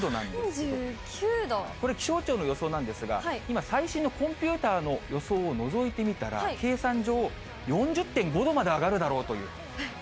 これ、気象庁の予想なんですが、今、最新のコンピューターの予想をのぞいてみたら、計算上、４０．５度まで上がるだろうという。